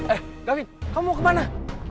eh david kamu mau kemana